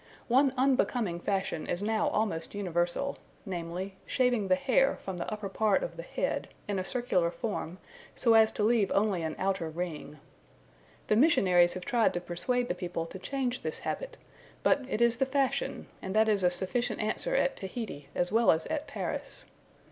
One unbecoming fashion is now almost universal: namely, shaving the hair from the upper part of the head, in a circular form, so as to leave only an outer ring. The missionaries have tried to persuade the people to change this habit; but it is the fashion, and that is a sufficient answer at Tahiti, as well as at Paris.